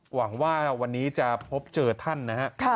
หวังว่าวันนี้จะพบเจอท่านนะครับ